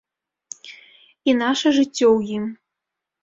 І наша жыццё ў ім.